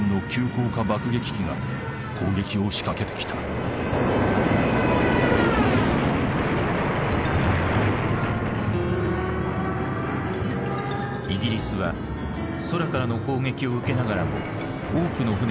イギリスは空からの攻撃を受けながらも多くの船が帰還に成功。